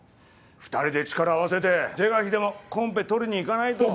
２人で力を合わせて是が非でもコンペ取りにいかないと。